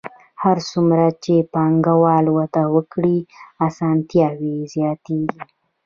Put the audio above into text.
هر څومره چې پانګوالي وده وکړي اسانتیاوې زیاتېږي